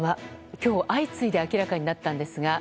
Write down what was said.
今日、相次いで明らかになったんですが。